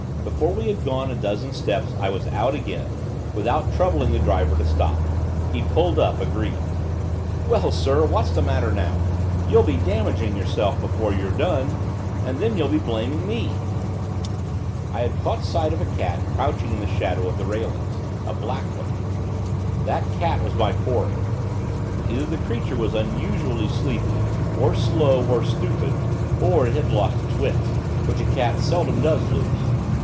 Before we had gone a dozen yards, I was out again, without troubling the driver to stop. He pulled up, aggrieved. 'Well, sir, what's the matter now? You'll be damaging yourself before you've done, and then you'll be blaming me.' I had caught sight of a cat crouching in the shadow of the railings, a black one. That cat was my quarry. Either the creature was unusually sleepy, or slow, or stupid, or it had lost its wits which a cat seldom does lose!